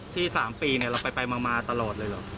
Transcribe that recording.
ที่๓ปีเราไปมาตลอดเลยเหรอ